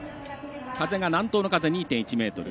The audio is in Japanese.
風が南東の風２．１メートル。